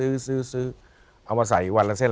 เอามาใส่วันละเส้น